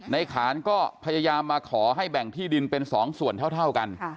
ขานก็พยายามมาขอให้แบ่งที่ดินเป็น๒ส่วนเท่ากัน